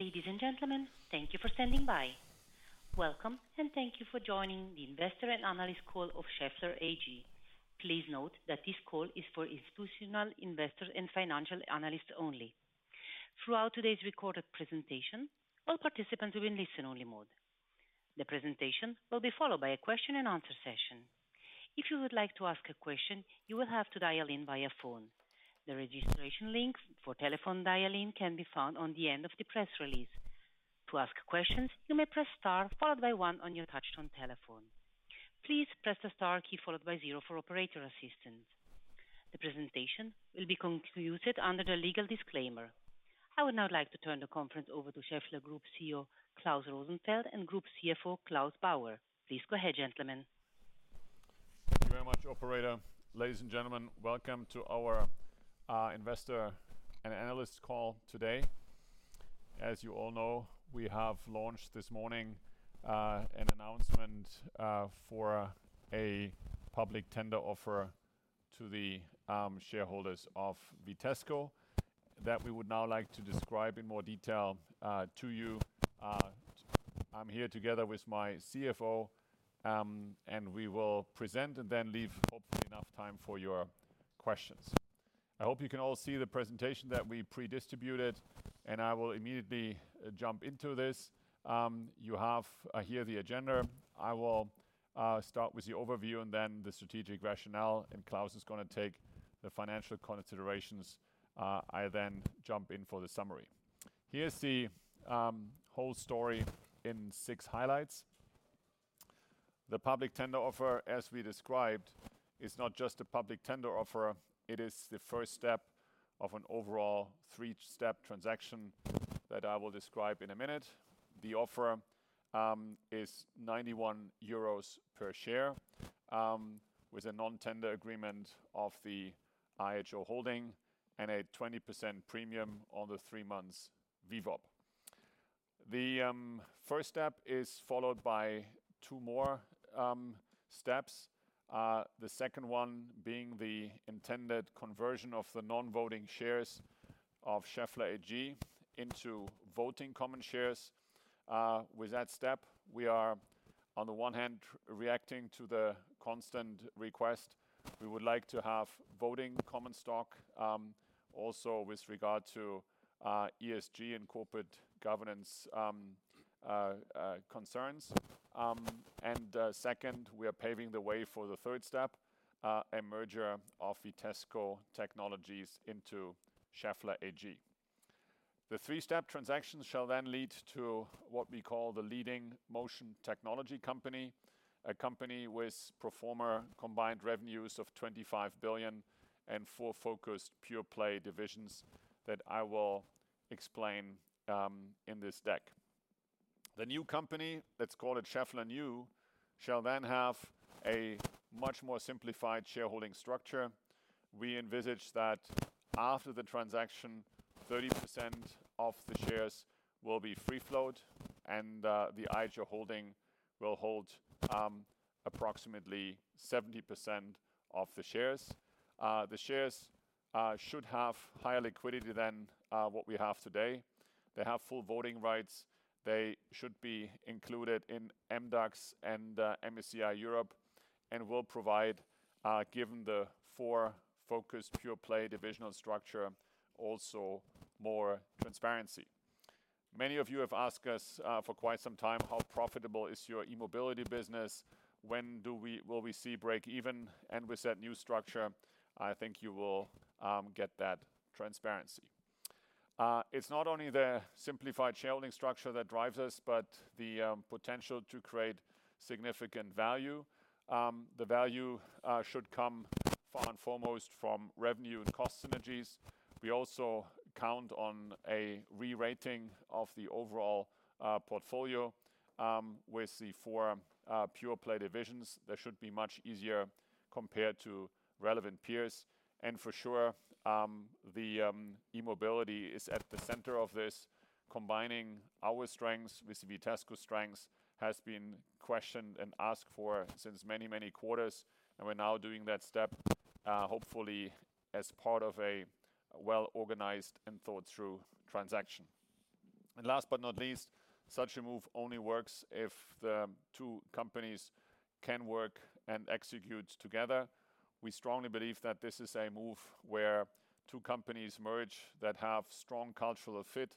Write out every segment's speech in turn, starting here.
Ladies and gentlemen, thank you for standing by. Welcome, and thank you for joining the Investor and Analyst Call of Schaeffler AG. Please note that this call is for institutional investors and financial analysts only. Throughout today's recorded presentation, all participants will be in listen-only mode. The presentation will be followed by a question-and-answer session. If you would like to ask a question, you will have to dial in via phone. The registration links for telephone dial-in can be found on the end of the press release. To ask questions, you may press star followed by one on your touchtone telephone. Please press the star key followed by zero for operator assistance. The presentation will be concluded under the legal disclaimer. I would now like to turn the conference over to Schaeffler Group CEO, Klaus Rosenfeld, and Group CFO, Claus Bauer. Please go ahead, gentlemen. Thank you very much, operator. Ladies and gentlemen, welcome to our investor and analyst call today. As you all know, we have launched this morning an announcement for a public tender offer to the shareholders of Vitesco, that we would now like to describe in more detail to you. I'm here together with my CFO, and we will present and then leave, hopefully, enough time for your questions. I hope you can all see the presentation that we pre-distributed, and I will immediately jump into this. You have here the agenda. I will start with the overview and then the strategic rationale, and Claus is going to take the financial considerations. I then jump in for the summary. Here's the whole story in six highlights. The public tender offer, as we described, is not just a public tender offer, it is the first step of an overall three-step transaction that I will describe in a minute. The offer is 91 euros per share, with a non-tender agreement of the IHO Holding and a 20% premium on the three months VWAP. The first step is followed by two more steps, the second one being the intended conversion of the non-voting shares of Schaeffler AG into voting common shares. With that step, we are, on the one hand, reacting to the constant request. We would like to have voting common stock, also with regard to ESG and corporate governance concerns. Second, we are paving the way for the third step, a merger of Vitesco Technologies into Schaeffler AG. The three-step transaction shall then lead to what we call the leading motion technology company, a company with pro forma combined revenues of 25 billion and four focused pure-play divisions that I will explain in this deck. The new company, let's call it Schaeffler New, shall then have a much more simplified shareholding structure. We envisage that after the transaction, 30% of the shares will be free float and the IHO Holding will hold approximately 70% of the shares. The shares should have higher liquidity than what we have today. They have full voting rights. They should be included in MDAX and MSCI Europe, and will provide, given the four focused pure-play divisional structure, also more transparency. Many of you have asked us for quite some time: "How profitable is your e-mobility business? When will we see breakeven?" And with that new structure, I think you will get that transparency. It's not only the simplified shareholding structure that drives us, but the potential to create significant value. The value should come first and foremost from revenue and cost synergies. We also count on a re-rating of the overall portfolio. With the four pure-play divisions, that should be much easier compared to relevant peers. And for sure, the E-Mobility is at the center of this. Combining our strengths with Vitesco's strengths has been questioned and asked for since many, many quarters, and we're now doing that step, hopefully as part of a well-organized and thought-through transaction. And last but not least, such a move only works if the two companies can work and execute together. We strongly believe that this is a move where two companies merge that have strong cultural fit.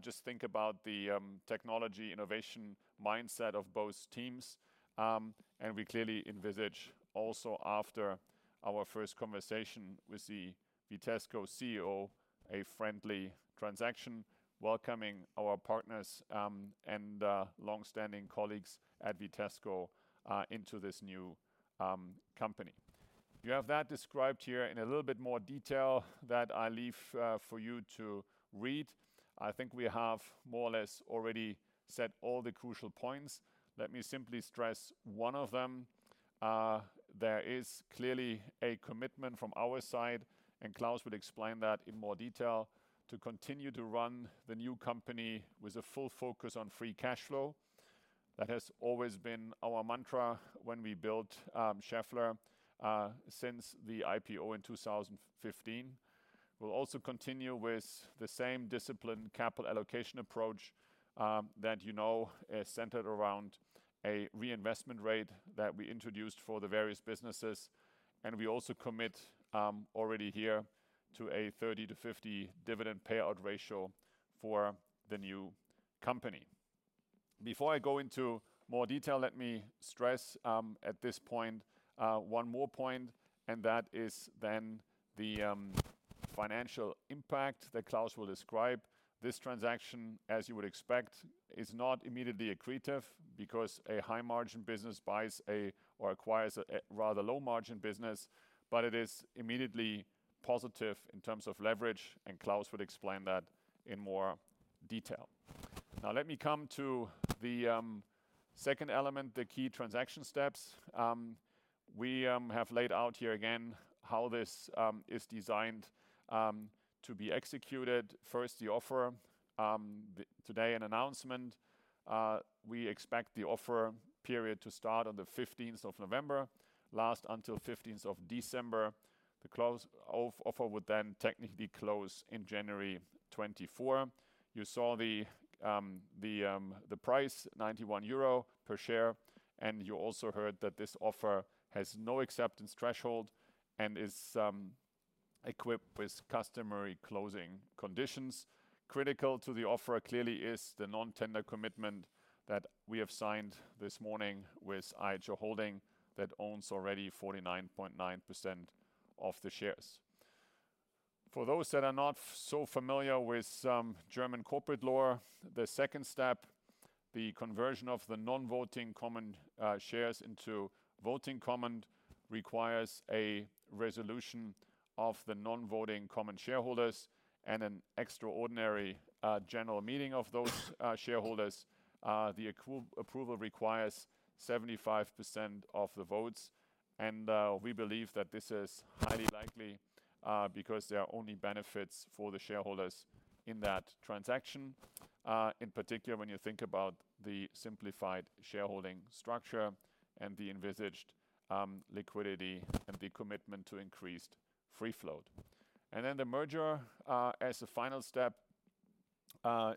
Just think about the technology, innovation, mindset of both teams. We clearly envisage also after our first conversation with the Vitesco CEO, a friendly transaction, welcoming our partners and long-standing colleagues at Vitesco into this new company. You have that described here in a little bit more detail that I leave for you to read. I think we have more or less already said all the crucial points. Let me simply stress one of them. There is clearly a commitment from our side, and Klaus will explain that in more detail, to continue to run the new company with a full focus on free cash flow... That has always been our mantra when we built Schaeffler since the IPO in 2015. We'll also continue with the same disciplined capital allocation approach that, you know, is centered around a reinvestment rate that we introduced for the various businesses. We also commit already here to a 30%-50% dividend payout ratio for the new company. Before I go into more detail, let me stress at this point one more point, and that is then the financial impact that Klaus will describe. This transaction, as you would expect, is not immediately accretive because a high-margin business buys a or acquires a rather low-margin business, but it is immediately positive in terms of leverage, and Klaus will explain that in more detail. Now, let me come to the second element, the key transaction steps. We have laid out here again how this is designed to be executed. First, the offer. Today, an announcement. We expect the offer period to start on the 15th of November, last until the 15th of December. The close of offer would then technically close in January 2024. You saw the price, 91 euro per share, and you also heard that this offer has no acceptance threshold and is equipped with customary closing conditions. Critical to the offer, clearly, is the non-tender commitment that we have signed this morning with IHO Holding, that owns already 49.9% of the shares. For those that are not so familiar with German corporate law, the second step, the conversion of the non-voting common shares into voting common, requires a resolution of the non-voting common shareholders and an extraordinary general meeting of those shareholders. The approval requires 75% of the votes, and we believe that this is highly likely because there are only benefits for the shareholders in that transaction. In particular, when you think about the simplified shareholding structure and the envisaged liquidity and the commitment to increased free float. Then the merger, as a final step,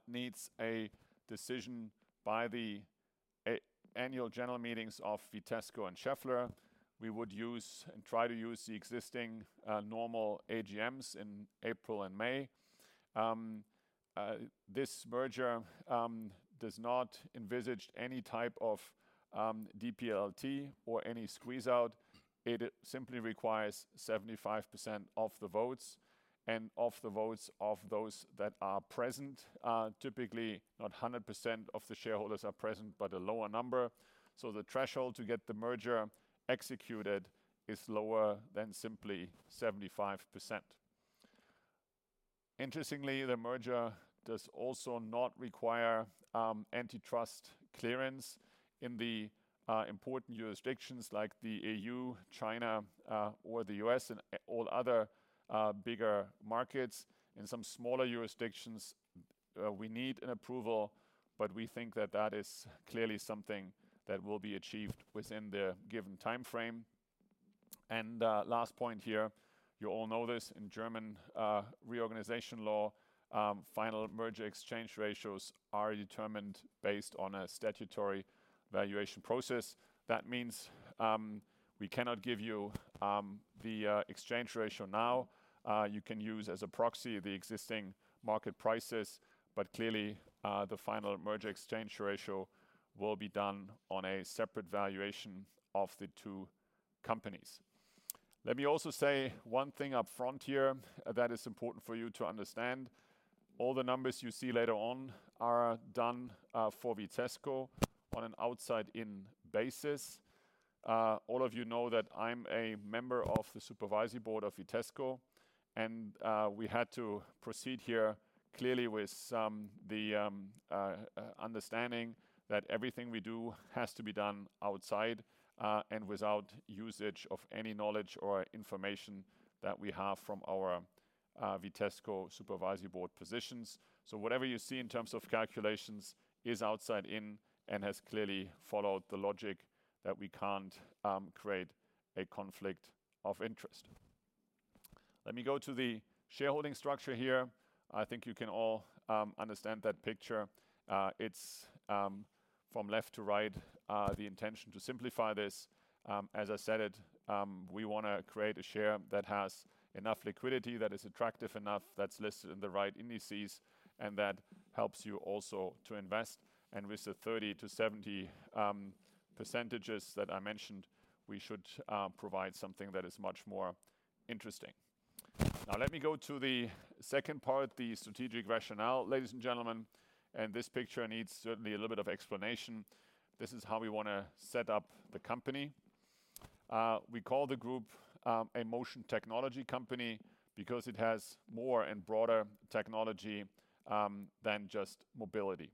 needs a decision by the annual general meetings of Vitesco and Schaeffler. We would use and try to use the existing normal AGMs in April and May. This merger does not envisage any type of DPLT or any squeeze-out. It simply requires 75% of the votes and of the votes of those that are present. Typically, not 100% of the shareholders are present, but a lower number, so the threshold to get the merger executed is lower than simply 75%. Interestingly, the merger does also not require antitrust clearance in the important jurisdictions like the EU, China, or the US, and all other bigger markets. In some smaller jurisdictions, we need an approval, but we think that that is clearly something that will be achieved within the given time frame. Last point here, you all know this, in German reorganization law, final merger exchange ratios are determined based on a statutory valuation process. That means we cannot give you the exchange ratio now. You can use as a proxy the existing market prices, but clearly, the final merger exchange ratio will be done on a separate valuation of the two companies. Let me also say one thing up front here that is important for you to understand. All the numbers you see later on are done for Vitesco on an outside-in basis. All of you know that I'm a member of the Supervisory Board of Vitesco, and we had to proceed here clearly with some understanding that everything we do has to be done outside and without usage of any knowledge or information that we have from our Vitesco Supervisory Board positions. So whatever you see in terms of calculations is outside in and has clearly followed the logic that we can't create a conflict of interest. Let me go to the shareholding structure here. I think you can all understand that picture. It's, from left to right, the intention to simplify this. As I said it, we want to create a share that has enough liquidity, that is attractive enough, that's listed in the right indices, and that helps you also to invest. With the 30%-70% percentages that I mentioned, we should provide something that is much more interesting. Now, let me go to the second part, the strategic rationale. Ladies and gentlemen, and this picture needs certainly a little bit of explanation. This is how we want to set up the company. We call the group a motion technology company, because it has more and broader technology than just mobility.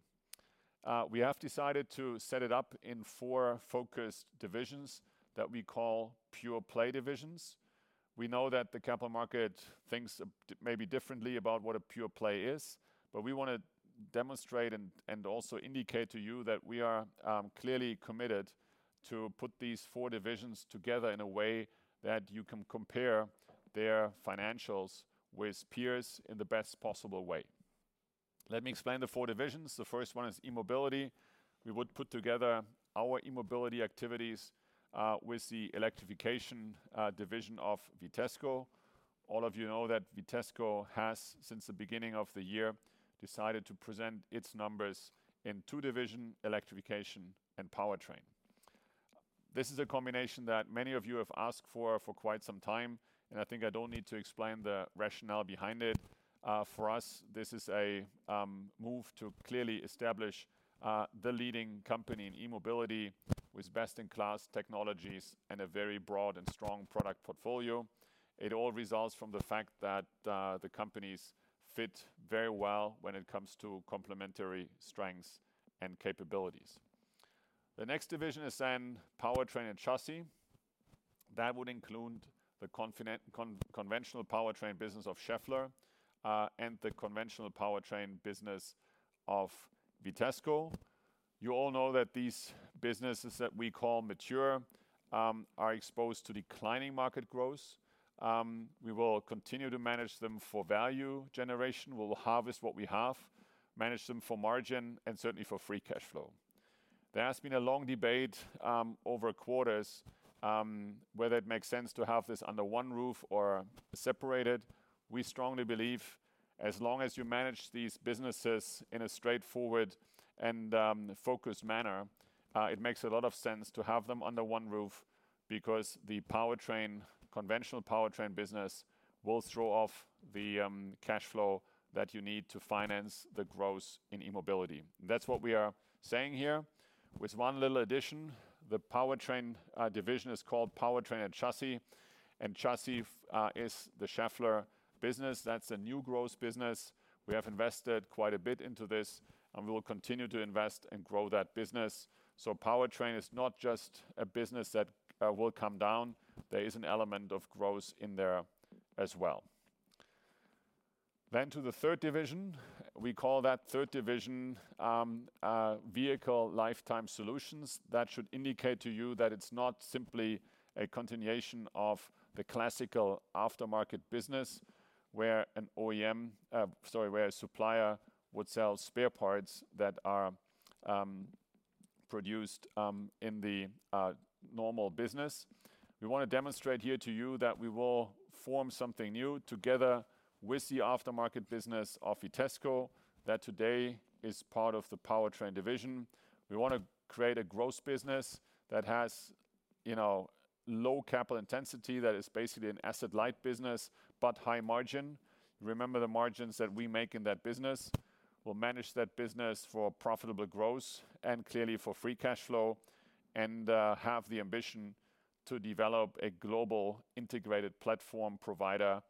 We have decided to set it up in four focused divisions that we call pure play divisions. We know that the capital market thinks, maybe differently about what a pure play is, but we want to demonstrate and also indicate to you that we are clearly committed to put these four divisions together in a way that you can compare their financials with peers in the best possible way. Let me explain the four divisions. The first one is E-Mobility. We would put together our E-Mobility activities with the electrification division of Vitesco. All of you know that Vitesco has, since the beginning of the year, decided to present its numbers in two divisions, electrification and powertrain. This is a combination that many of you have asked for, for quite some time, and I think I don't need to explain the rationale behind it. For us, this is a move to clearly establish the leading company in E-Mobility with best-in-class technologies and a very broad and strong product portfolio. It all results from the fact that the companies fit very well when it comes to complementary strengths and capabilities. The next division is then Powertrain and Chassis. That would include the conventional powertrain business of Schaeffler and the conventional powertrain business of Vitesco. You all know that these businesses that we call mature are exposed to declining market growth. We will continue to manage them for value generation. We will harvest what we have, manage them for margin, and certainly for free cash flow. There has been a long debate over quarters whether it makes sense to have this under one roof or separated. We strongly believe as long as you manage these businesses in a straightforward and focused manner, it makes a lot of sense to have them under one roof, because the powertrain, conventional powertrain business will throw off the cash flow that you need to finance the growth in E-Mobility. That's what we are saying here, with one little addition. The powertrain division is called Powertrain and Chassis, and Chassis is the Schaeffler business. That's a new growth business. We have invested quite a bit into this, and we will continue to invest and grow that business. So powertrain is not just a business that will come down. There is an element of growth in there as well. Then to the third division, we call that third division, Vehicle Lifetime Solutions. That should indicate to you that it's not simply a continuation of the classical aftermarket business, where a supplier would sell spare parts that are produced in the normal business. We want to demonstrate here to you that we will form something new together with the aftermarket business of Vitesco, that today is part of the powertrain division. We want to create a growth business that has, you know, low capital intensity, that is basically an asset-light business, but high margin. Remember, the margins that we make in that business will manage that business for profitable growth and clearly for free cash flow, and have the ambition to develop a global integrated platform provider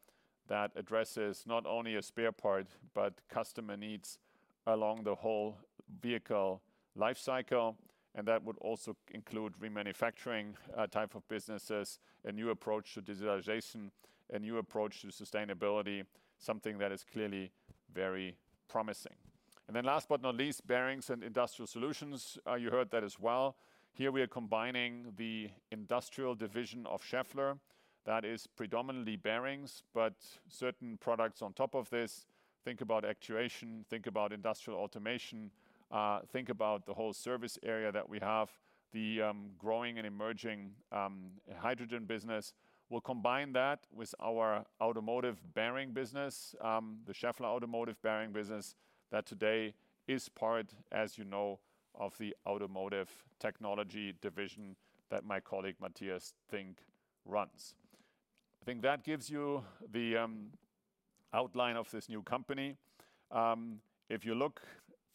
that addresses not only a spare part, but customer needs along the whole vehicle life cycle, and that would also include remanufacturing type of businesses, a new approach to digitalization, a new approach to sustainability, something that is clearly very promising. And then last but not least, Bearings and Industrial Solutions. You heard that as well. Here we are combining the industrial division of Schaeffler. That is predominantly bearings, but certain products on top of this, think about actuation, think about industrial automation, think about the whole service area that we have, the growing and emerging hydrogen business. We'll combine that with our automotive bearing business, the Schaeffler automotive bearing business, that today is part, as you know, of the automotive technology division that my colleague, Matthias Zink, runs. I think that gives you the outline of this new company. If you look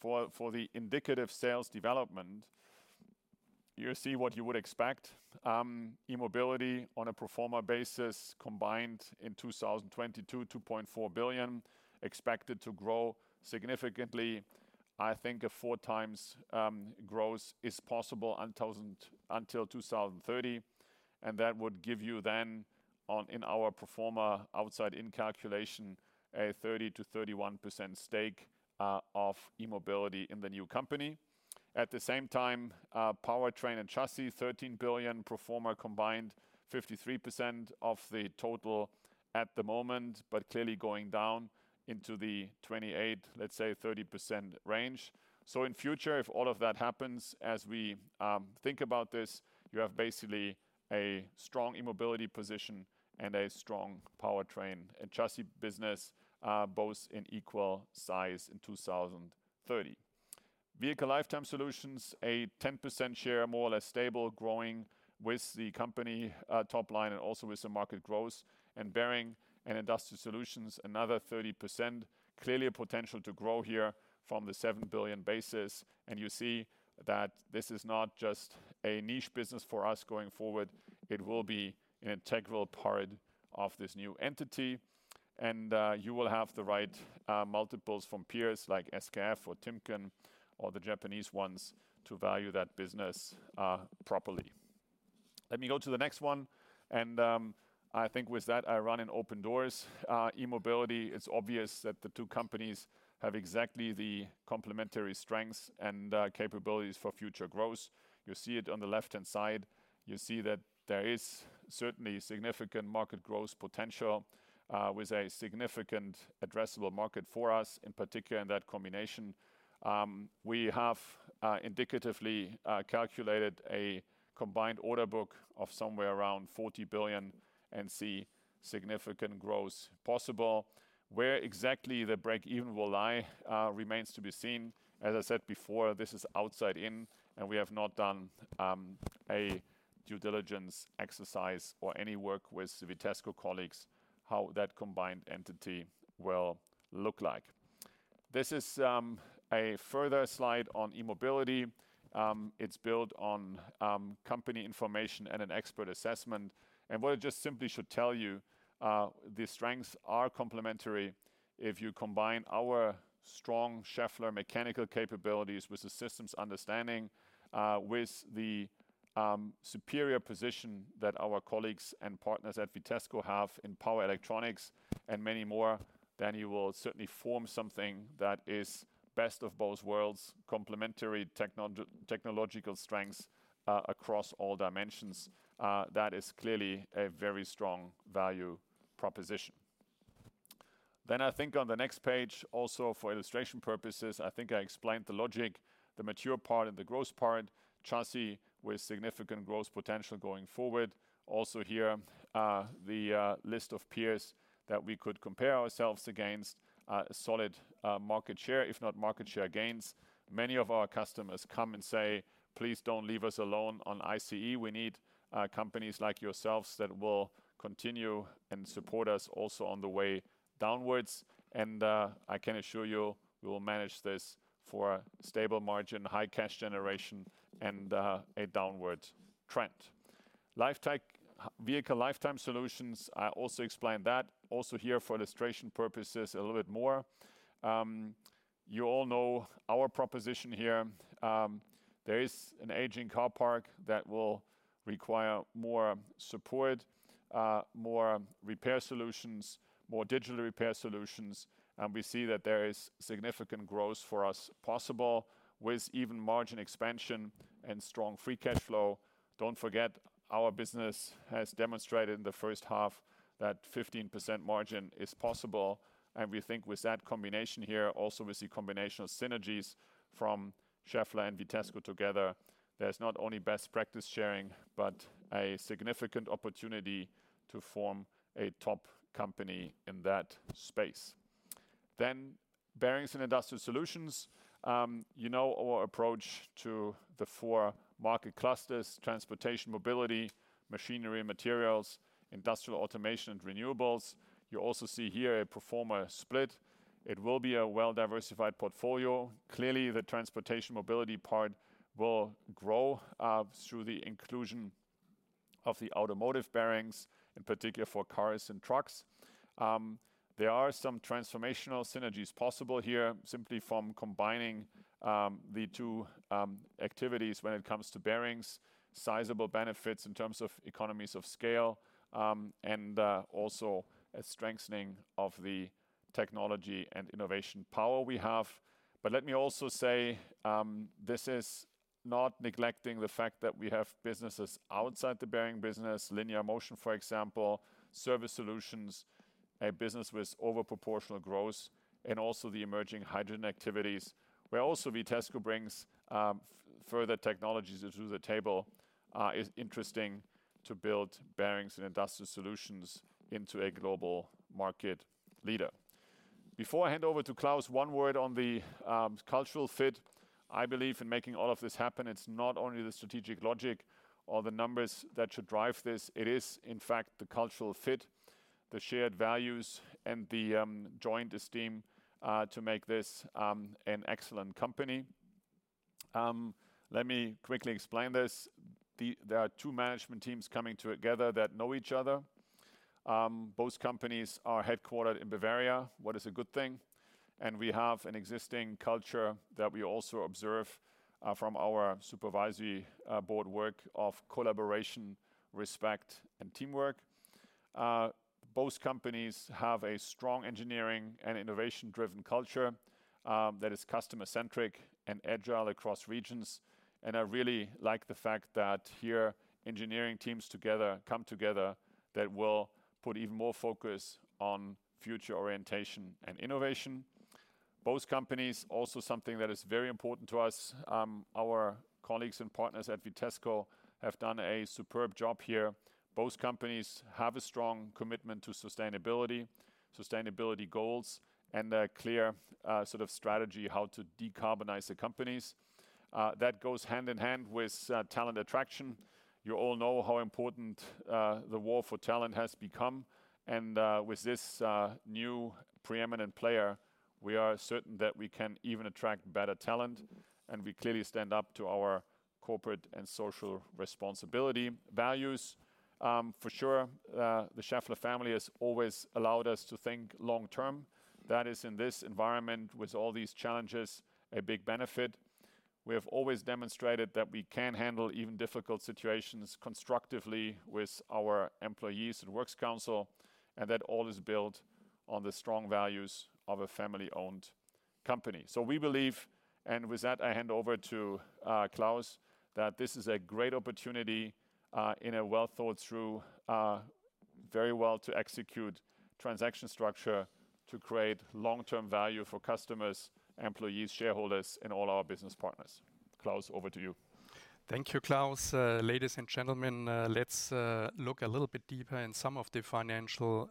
for the indicative sales development, you see what you would expect. E-Mobility on a pro forma basis, combined in 2022, 2.4 billion, expected to grow significantly. I think a 4x growth is possible until 2030, and that would give you then on, in our pro forma outside-in calculation, a 30%-31% stake of E-Mobility in the new company. At the same time, Powertrain & Chassis, 13 billion pro forma combined, 53% of the total at the moment, clearly going down into the 28-30% range. In future, if all of that happens, as we think about this, you have basically a strong E-Mobility position and a strong Powertrain & Chassis business, both in equal size in 2030. Vehicle Lifetime Solutions, a 10% share, more or less stable, growing with the company, top line and also with the market growth. Bearings & Industrial Solutions, another 30%, clearly a potential to grow here from the 7 billion basis. You see that this is not just a niche business for us going forward. It will be an integral part of this new entity. You will have the right multiples from peers like SKF or Timken or the Japanese ones to value that business properly. Let me go to the next one, and I think with that, I run in open doors. E-Mobility, it's obvious that the two companies have exactly the complementary strengths and capabilities for future growth. You see it on the left-hand side. You see that there is certainly significant market growth potential with a significant addressable market for us, in particular in that combination. We have indicatively calculated a combined order book of somewhere around 40 billion and see significant growth possible. Where exactly the break-even will lie remains to be seen. As I said before, this is outside in, and we have not done a due diligence exercise or any work with Vitesco colleagues, how that combined entity will look like. This is a further slide on E-Mobility. It's built on company information and an expert assessment. And what it just simply should tell you, the strengths are complementary. If you combine our strong Schaeffler mechanical capabilities with the systems understanding, with the superior position that our colleagues and partners at Vitesco have in power electronics and many more, then you will certainly form something that is best of both worlds, complementary technological strengths, across all dimensions. That is clearly a very strong value proposition. Then I think on the next page, also for illustration purposes, I think I explained the logic, the mature part and the growth part. Chassis with significant growth potential going forward. Also here, the list of peers that we could compare ourselves against, a solid market share, if not market share gains. Many of our customers come and say, "Please don't leave us alone on ICE. We need companies like yourselves that will continue and support us also on the way downwards." I can assure you, we will manage this for a stable margin, high cash generation, and a downward trend. LifeTech, vehicle lifetime solutions, I also explained that. Also here, for illustration purposes, a little bit more. You all know our proposition here. There is an aging car park that will require more support, more repair solutions, more digital repair solutions, and we see that there is significant growth for us possible with even margin expansion and strong free cash flow. Don't forget, our business has demonstrated in the first half that 15% margin is possible, and we think with that combination here, also, we see combination of synergies from Schaeffler and Vitesco together. There's not only best practice sharing, but a significant opportunity to form a top company in that space. Then, bearings and industrial solutions. You know our approach to the four market clusters: transportation, mobility, machinery and materials, industrial automation, and renewables. You also see here a pro forma split. It will be a well-diversified portfolio. Clearly, the transportation mobility part will grow through the inclusion of the automotive bearings, in particular for cars and trucks. There are some transformational synergies possible here, simply from combining the two activities when it comes to bearings, sizable benefits in terms of economies of scale and also a strengthening of the technology and innovation power we have. But let me also say, this is not neglecting the fact that we have businesses outside the bearing business, linear motion, for example, service solutions, a business with over proportional growth, and also the emerging hydrogen activities, where also Vitesco brings further technologies to the table. It's interesting to build bearings and industrial solutions into a global market leader. Before I hand over to Klaus, one word on the cultural fit. I believe in making all of this happen, it's not only the strategic logic or the numbers that should drive this, it is, in fact, the cultural fit, the shared values, and the joint esteem to make this an excellent company. Let me quickly explain this. There are two management teams coming together that know each other. Both companies are headquartered in Bavaria, what is a good thing, and we have an existing culture that we also observe from our supervisory board work of collaboration, respect, and teamwork. Both companies have a strong engineering and innovation-driven culture that is customer-centric and agile across regions. I really like the fact that here, engineering teams together, come together, that will put even more focus on future orientation and innovation. Both companies, also something that is very important to us, our colleagues and partners at Vitesco have done a superb job here. Both companies have a strong commitment to sustainability, sustainability goals, and a clear, sort of strategy, how to decarbonize the companies. That goes hand in hand with talent attraction. You all know how important the war for talent has become, and with this preeminent player, we are certain that we can even attract better talent, and we clearly stand up to our corporate and social responsibility values. For sure, the Schaeffler family has always allowed us to think long term. That is, in this environment, with all these challenges, a big benefit. We have always demonstrated that we can handle even difficult situations constructively with our employees and works council, and that all is built on the strong values of a family-owned company. So we believe, and with that, I hand over to, Klaus, that this is a great opportunity, in a well-thought-through, very well-to-execute transaction structure to create long-term value for customers, employees, shareholders, and all our business partners. Claus, over to you. Thank you, Klaus. Ladies and gentlemen, let's look a little bit deeper in some of the financial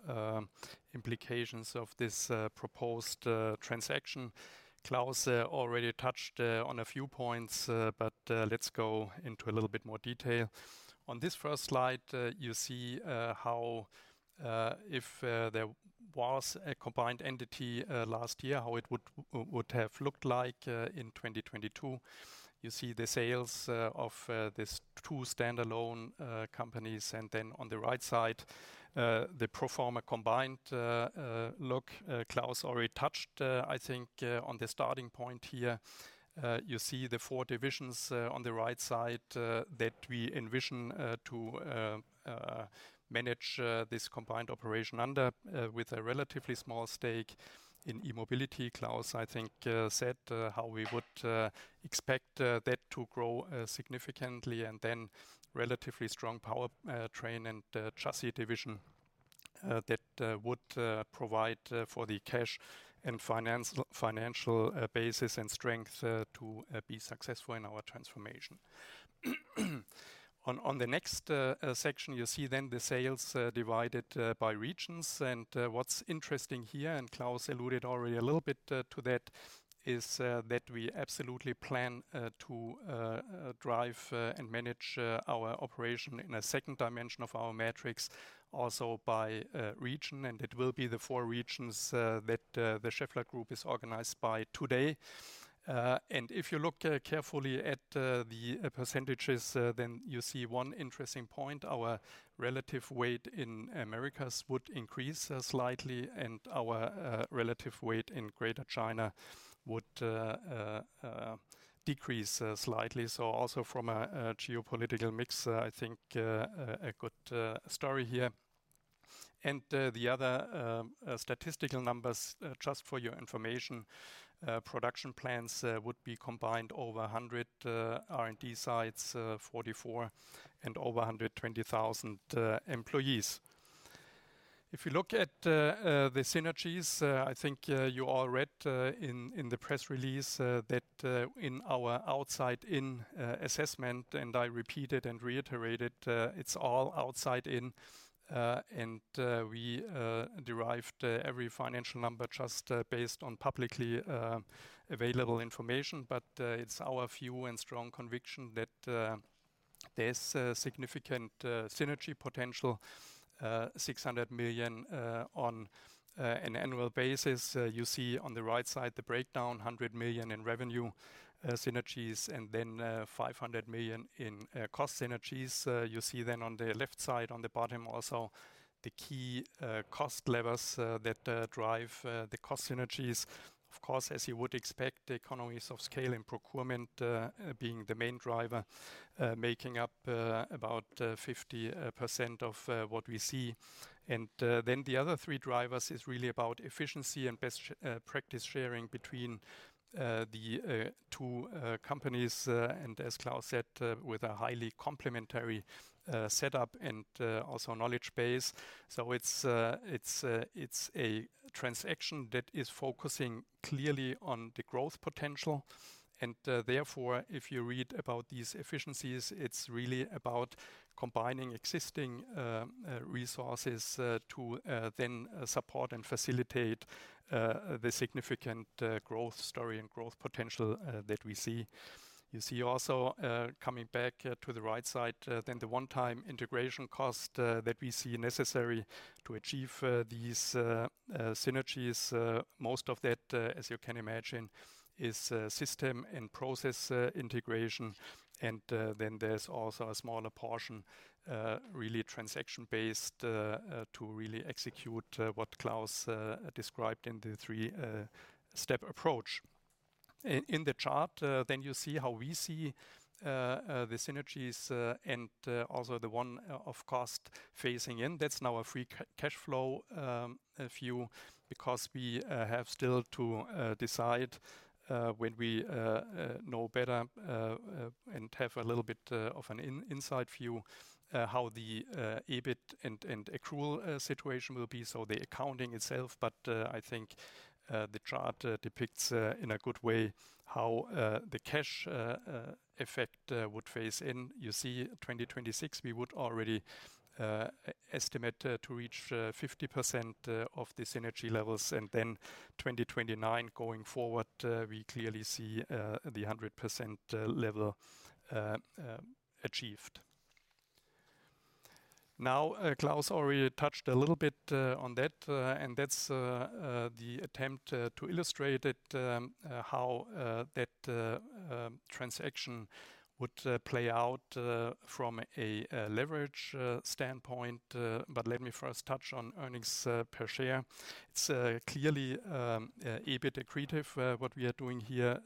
implications of this proposed transaction. Klaus already touched on a few points, but let's go into a little bit more detail. On this first slide, you see how, if there was a combined entity last year, how it would have looked like in 2022. You see the sales of these two standalone companies, and then on the right side, the pro forma combined look. Klaus already touched, I think, on the starting point here. You see the four divisions on the right side that we envision to manage this combined operation under with a relatively small stake in E-Mobility. Klaus, I think, said how we would expect that to grow significantly, and then relatively strong powertrain and chassis division that would provide for the cash and financial basis and strength to be successful in our transformation. On the next section, you see then the sales divided by regions. What's interesting here, and Klaus alluded already a little bit to that, is that we absolutely plan to drive and manage our operation in a second dimension of our metrics, also by region. It will be the four regions that the Schaeffler Group is organized by today. If you look carefully at the percentages, then you see one interesting point. Our relative weight in Americas would increase slightly, and our relative weight in Greater China would decrease slightly. So also from a geopolitical mix, I think a good story here. The other statistical numbers just for your information: production plans would be combined over 100 R&D sites, 44, and over 120,000 employees. If you look at the synergies, I think you all read in the press release that in our outside-in assessment, and I repeat it and reiterate it, it's all outside in, and we derived every financial number just based on publicly available information. But it's our view and strong conviction that there's a significant synergy potential, 600 million on an annual basis. You see on the right side, the breakdown, 100 million in revenue synergies, and then 500 million in cost synergies. You see then on the left side, on the bottom, also the key cost levers that drive the cost synergies. Of course, as you would expect, the economies of scale and procurement being the main driver, making up about 50% of what we see. The other three drivers are really about efficiency and best practice sharing between the two companies, and as Klaus said, with a highly complementary setup and also knowledge base. It's a transaction that is focusing clearly on the growth potential, and therefore, if you read about these efficiencies, it's really about combining existing resources to then support and facilitate the significant growth story and growth potential that we see. You see also, coming back to the right side, then the one-time integration cost that we see necessary to achieve these synergies. Most of that, as you can imagine, is system and process integration. And then there's also a smaller portion, really transaction-based, to really execute what Klaus described in the three step approach. In the chart, then you see how we see the synergies and also the one of cost phasing in. That's now a free cash flow view, because we have still to decide when we know better and have a little bit of an inside view how the EBIT and accrual situation will be, so the accounting itself. But I think the chart depicts in a good way how the cash effect would phase in. You see, 2026, we would already estimate to reach 50% of the synergy levels, and then 2029, going forward, we clearly see the 100% level achieved. Klaus already touched a little bit on that, and that's the attempt to illustrate it, how that transaction would play out from a leverage standpoint. Let me first touch on earnings per share. It's clearly EBIT accretive, what we are doing here,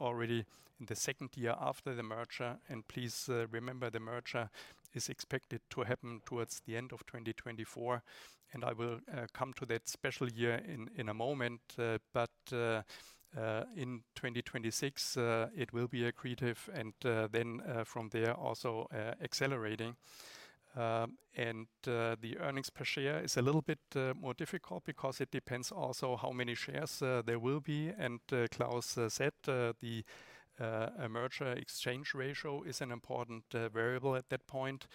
already in the second year after the merger. Please remember, the merger is expected to happen towards the end of 2024, and I will come to that special year in a moment. In 2026, it will be accretive and from there, also, accelerating. The earnings per share is a little bit more difficult because it depends also how many shares there will be. Klaus said the merger exchange ratio is an important variable at that point.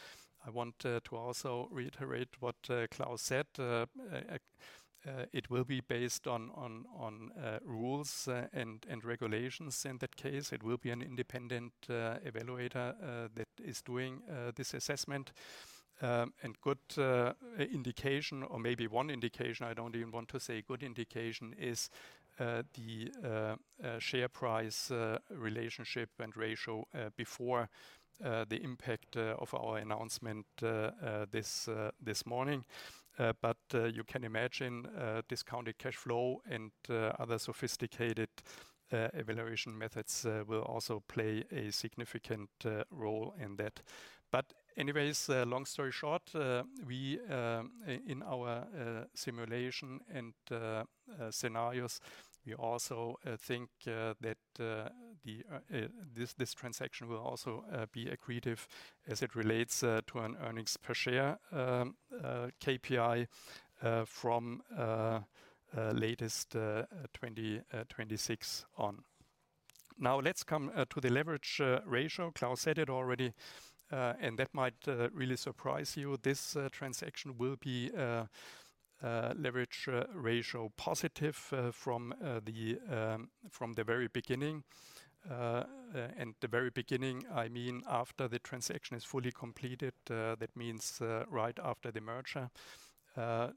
I want to also reiterate what Klaus said. It will be based on rules and regulations. In that case, it will be an independent evaluator that is doing this assessment. One indication, or maybe one indication—I don't even want to say good indication—is the share price relationship and ratio before the impact of our announcement this morning. You can imagine discounted cash flow and other sophisticated evaluation methods will also play a significant role in that. But anyways, long story short, we in our simulation and scenarios, we also think that this transaction will also be accretive as it relates to an earnings per share KPI from latest 2026 on. Now, let's come to the leverage ratio. Klaus said it already, and that might really surprise you. This transaction will be leverage ratio positive from the very beginning. And the very beginning, I mean, after the transaction is fully completed, that means right after the merger.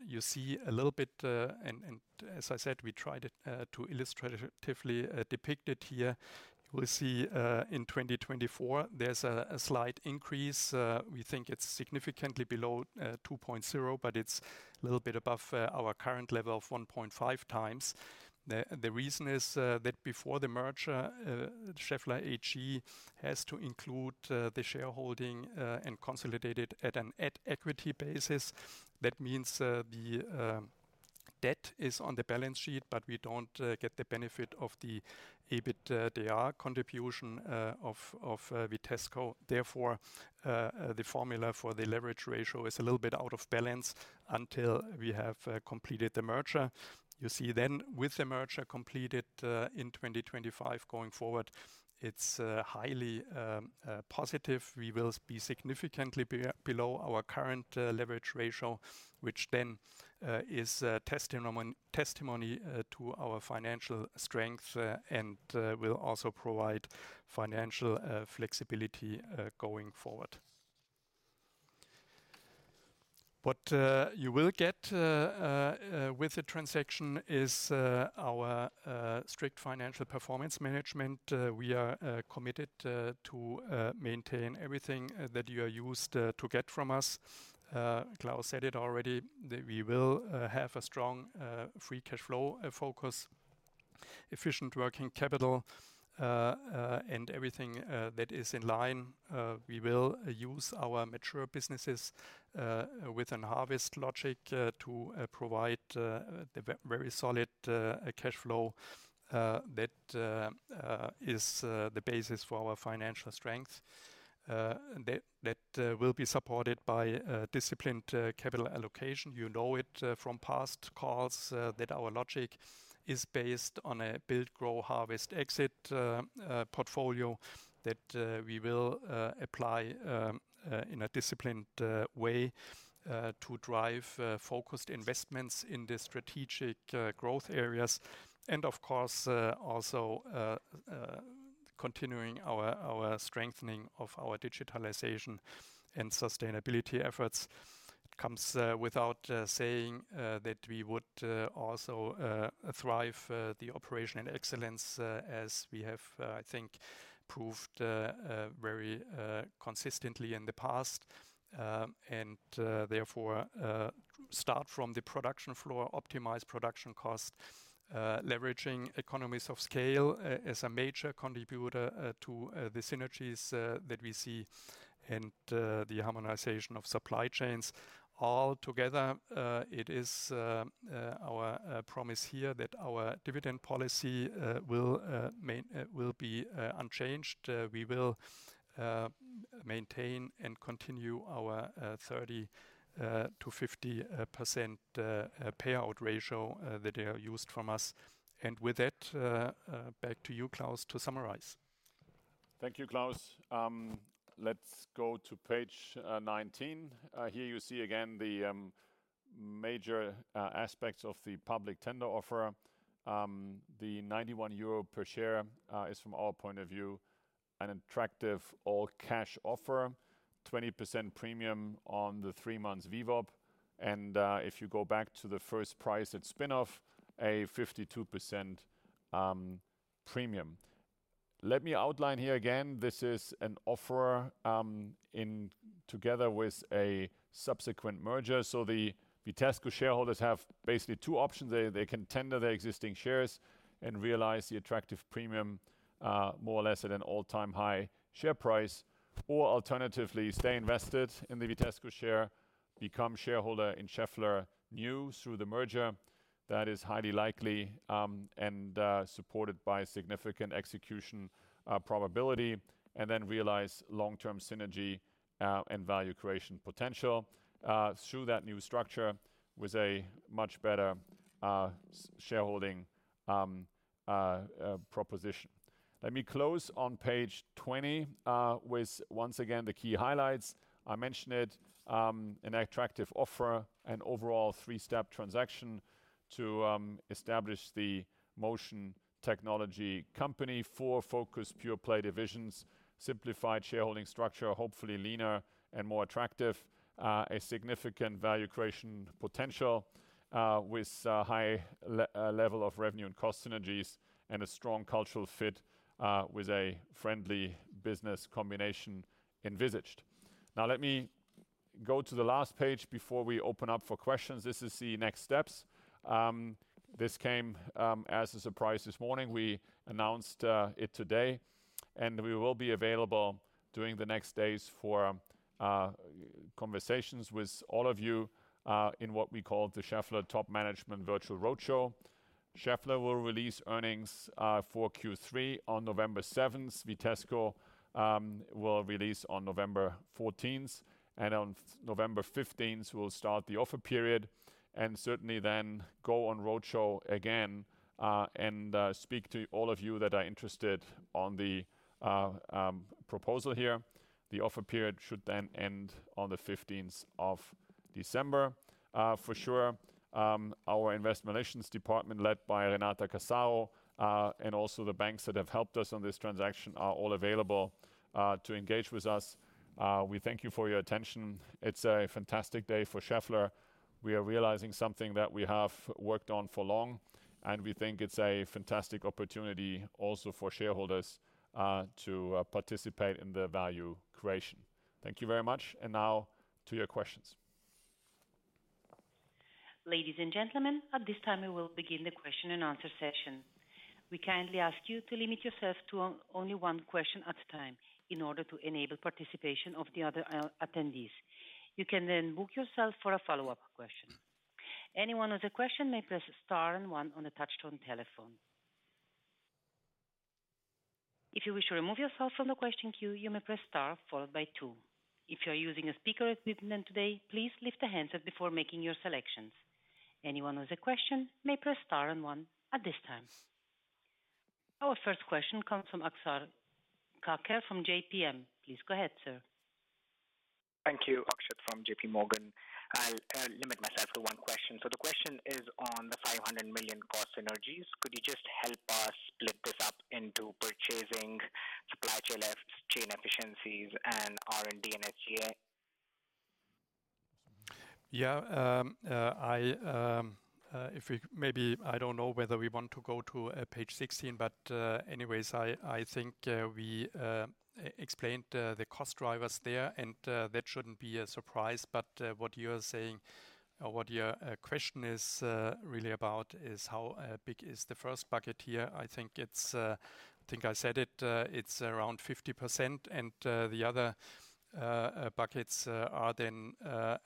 You see a little bit... And as I said, we tried it to illustratively depict it here. We see, in 2024, there's a slight increase. We think it's significantly below 2.0, but it's a little bit above our current level of 1.5 times. The reason is that before the merger, Schaeffler AG has to include the shareholding and consolidate it at an at equity basis. That means the debt is on the balance sheet, but we don't get the benefit of the EBITDA contribution of Vitesco. Therefore, the formula for the leverage ratio is a little bit out of balance until we have completed the merger. You see then, with the merger completed, in 2025, going forward, it's highly positive. We will be significantly below our current leverage ratio, which then is a testimony to our financial strength and will also provide financial flexibility going forward. What you will get with the transaction is our strict financial performance management. We are committed to maintain everything that you are used to get from us. Klaus said it already, that we will have a strong free cash flow focus, efficient working capital, and everything that is in line. We will use our mature businesses with an harvest logic to provide the very solid cash flow that is the basis for our financial strength. That will be supported by disciplined capital allocation. You know it from past calls that our logic is based on a build, grow, harvest, exit portfolio that we will apply in a disciplined way to drive focused investments in the strategic growth areas. And of course also continuing our strengthening of our digitalization and sustainability efforts. It comes without saying that we would also thrive the operational excellence as we have, I think, proved very consistently in the past. And therefore start from the production floor, optimize production costs, leveraging economies of scale as a major contributor to the synergies that we see, and the harmonization of supply chains. All together, it is our promise here that our dividend policy will be unchanged. We will maintain and continue our 30%-50% payout ratio that you are used from us. And with that, back to you, Klaus, to summarize. Thank you, Claus. Let's go to page 19. Here you see again, the major aspects of the public tender offer. The 91 euro per share is from our point of view, an attractive all-cash offer, 20% premium on the three months VWAP, and if you go back to the first price at spin-off, a 52% premium. Let me outline here again, this is an offer in together with a subsequent merger. The Vitesco shareholders have basically two options. They can tender their existing shares and realize the attractive premium, more or less at an all-time high share price, or alternatively, stay invested in the Vitesco share, become shareholder in Schaeffler New through the merger. That is highly likely, and supported by significant execution probability, and then realize long-term synergy, and value creation potential, through that new structure with a much better shareholding proposition. Let me close on page 20 with once again, the key highlights. I mentioned it, an attractive offer, an overall three-step transaction to establish the motion technology company, four focused pure-play divisions, simplified shareholding structure, hopefully leaner and more attractive. A significant value creation potential, with high level of revenue and cost synergies, and a strong cultural fit, with a friendly business combination envisaged. Now, let me go to the last page before we open up for questions. This is the next steps. This came as a surprise this morning. We announced it today, and we will be available during the next days for conversations with all of you, in what we call the Schaeffler Top Management Virtual Roadshow. Schaeffler will release earnings for Q3 on November seventh. Vitesco will release on November fourteenth, and on November fifteenth, we'll start the offer period, and certainly then go on roadshow again, and speak to all of you that are interested on the proposal here. The offer period should then end on the fifteenth of December. For sure, our investment relations department, led by Renata Casaro, and also the banks that have helped us on this transaction, are all available to engage with us. We thank you for your attention. It's a fantastic day for Schaeffler. We are realizing something that we have worked on for long, and we think it's a fantastic opportunity also for shareholders, to participate in the value creation. Thank you very much, and now to your questions. Ladies and gentlemen, at this time, we will begin the question and answer session. We kindly ask you to limit yourself to only one question at a time in order to enable participation of the other attendees. You can then book yourself for a follow-up question. Anyone with a question may press star and one on a touchtone telephone. If you wish to remove yourself from the question queue, you may press star followed by two. If you're using speaker equipment today, please lift the handset before making your selections. Anyone with a question may press star and one at this time. Our first question comes from Akshat Kacker from JP Morgan. Please go ahead, sir. Thank you. Akshat from JPMorgan. I'll limit myself to one question. So the question is on the 500 million cost synergies. Could you just help us split this up into purchasing, supply chain efficiencies, and R&D and SGA? Yeah, if we maybe... I don't know whether we want to go to page 16, but anyways, I think we explained the cost drivers there, and that shouldn't be a surprise. But what you are saying or what your question is really about is how big is the first bucket here? I think it's... I think I said it, it's around 50%, and the other buckets are then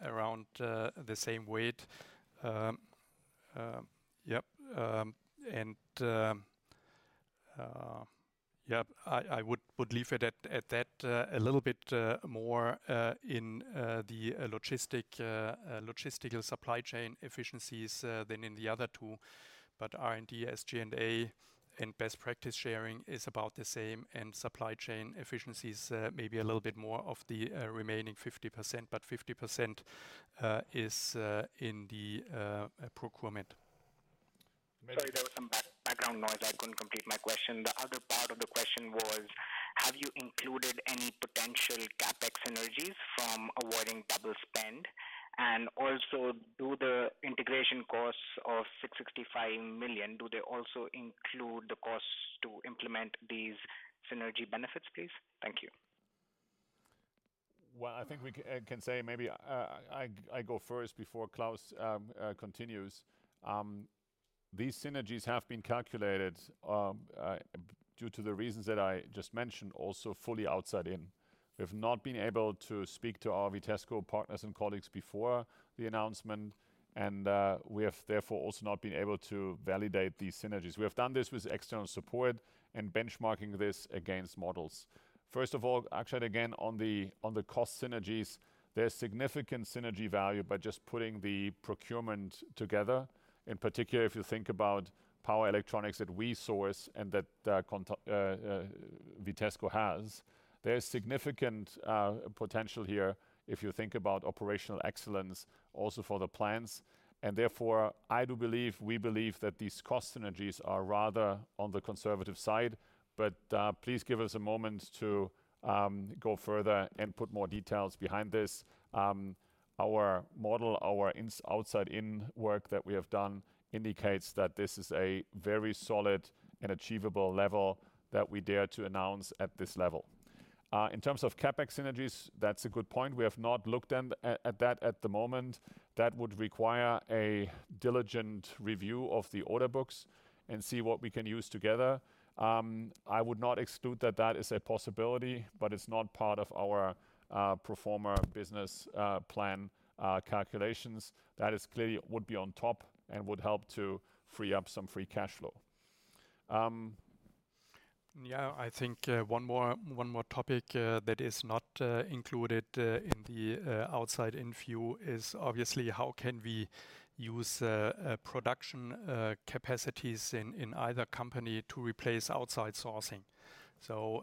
around the same weight. Yep. And yep, I would leave it at that. A little bit more in the logistical supply chain efficiencies than in the other two. But R&D, SG&A, and best practice sharing is about the same, and supply chain efficiencies may be a little bit more of the remaining 50%, but 50% is in the procurement. Sorry, there was some background noise. I couldn't complete my question. The other part of the question was: Have you included any potential CapEx synergies from avoiding double spend? And also, do the integration costs of 665 million, do they also include the costs to implement these synergy benefits, please? Thank you. Well, I think we can say maybe, I, I go first before Claus, continues. These synergies have been calculated, due to the reasons that I just mentioned, also fully outside in. We've not been able to speak to our Vitesco partners and colleagues before the announcement, and, we have therefore also not been able to validate these synergies. We have done this with external support and benchmarking this against models. First of all, Akshat, again, on the, on the cost synergies, there's significant synergy value by just putting the procurement together. In particular, if you think about power electronics that we source and that, Vitesco has, there is significant, potential here if you think about operational excellence also for the plants. And therefore, I do believe, we believe, that these cost synergies are rather on the conservative side. But please give us a moment to go further and put more details behind this. Our model, our outside-in work that we have done, indicates that this is a very solid and achievable level that we dare to announce at this level. In terms of CapEx synergies, that's a good point. We have not looked at that at the moment. That would require a diligent review of the order books and see what we can use together. I would not exclude that that is a possibility, but it's not part of our pro forma business plan calculations. That is clearly would be on top and would help to free up some free cash flow. Yeah, I think one more, one more topic that is not included in the outside-in view is obviously how can we use production capacities in either company to replace outside sourcing? So,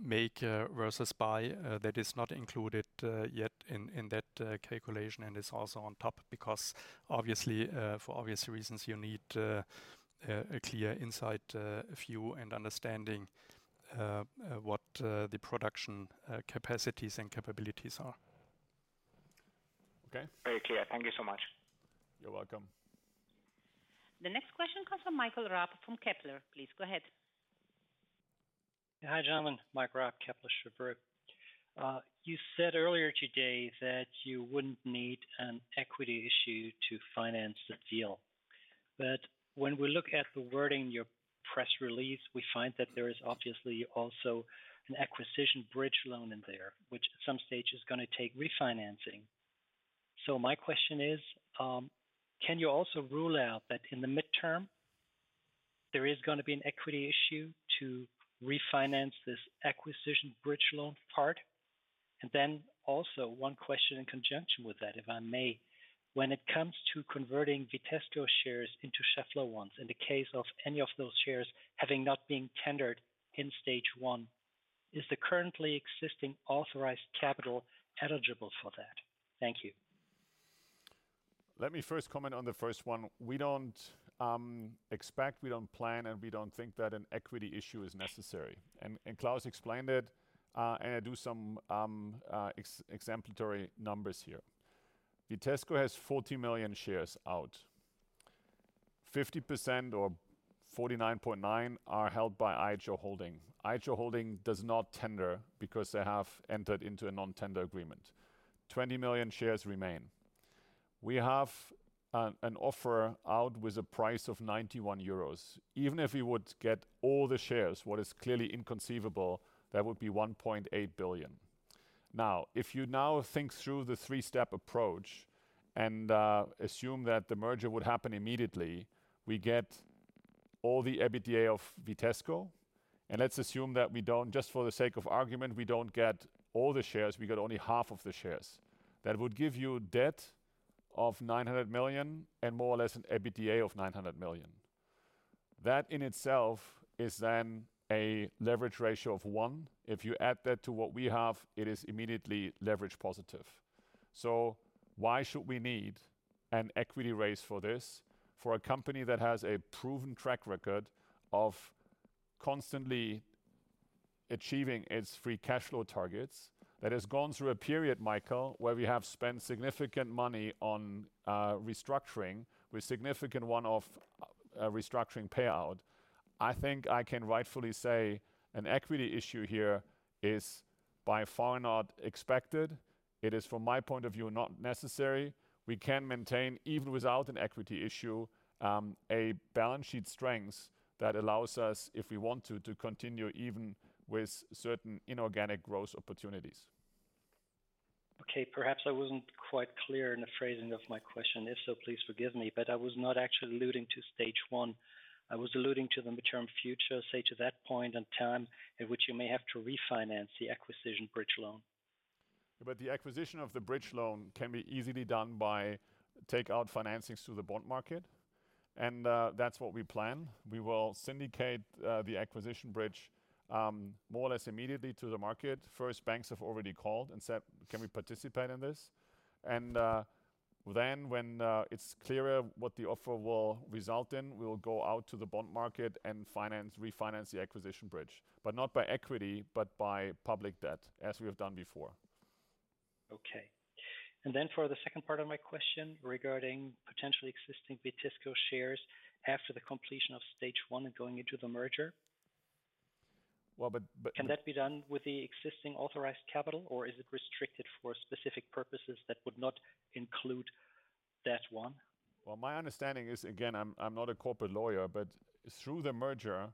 make versus buy that is not included yet in that calculation and is also on top, because obviously, for obvious reasons, you need a clear inside view and understanding what the production capacities and capabilities are. Okay. Very clear. Thank you so much. You're welcome. The next question comes from Michael Rapp from Kepler Cheuvreux. Please, go ahead. Hi, gentlemen, Michael Rapp, Kepler Cheuvreux. You said earlier today that you wouldn't need an equity issue to finance the deal. But when we look at the wording in your press release, we find that there is obviously also an acquisition bridge loan in there, which at some stage is gonna take refinancing. So my question is, can you also rule out that in the midterm there is gonna be an equity issue to refinance this acquisition bridge loan part? And then also one question in conjunction with that, if I may: When it comes to converting Vitesco shares into Schaeffler ones, in the case of any of those shares having not been tendered in stage one, is the currently existing authorized capital eligible for that? Thank you. Let me first comment on the first one. We don't expect, we don't plan, and we don't think that an equity issue is necessary. And Klaus explained it, and I do some exemplary numbers here. Vitesco has 40 million shares out. 50% or 49.9% are held by IHO Holding. IHO Holding does not tender because they have entered into a non-tender agreement. 20 million shares remain. We have an offer out with a price of 91 euros. Even if we would get all the shares, what is clearly inconceivable, that would be 1.8 billion. Now, if you now think through the three-step approach and assume that the merger would happen immediately, we get all the EBITDA of Vitesco. And let's assume that we don't... Just for the sake of argument, we don't get all the shares, we get only half of the shares. That would give you debt of 900 million and more or less an EBITDA of 900 million. That in itself is then a leverage ratio of 1. If you add that to what we have, it is immediately leverage positive. So why should we need an equity raise for this, for a company that has a proven track record of constantly achieving its free cash flow targets, that has gone through a period, Michael, where we have spent significant money on restructuring, with significant one-off restructuring payout? I think I can rightfully say an equity issue here is by far not expected. It is, from my point of view, not necessary. We can maintain, even without an equity issue, a balance sheet strength that allows us, if we want to, to continue even with certain inorganic growth opportunities. Okay. Perhaps I wasn't quite clear in the phrasing of my question. If so, please forgive me, but I was not actually alluding to stage one. I was alluding to the midterm future, say, to that point in time in which you may have to refinance the acquisition bridge loan. But the acquisition of the bridge loan can be easily done by take out financings through the bond market, and, that's what we plan. We will syndicate, the acquisition bridge, more or less immediately to the market. First, banks have already called and said: "Can we participate in this?" And, then when, it's clearer what the offer will result in, we will go out to the bond market and refinance the acquisition bridge, but not by equity, but by public debt, as we have done before. Okay. And then for the second part of my question regarding potentially existing Vitesco shares after the completion of stage one and going into the merger. Well, but, Can that be done with the existing authorized capital, or is it restricted for specific purposes that would not include that one? Well, my understanding is, again, I'm not a corporate lawyer, but through the merger,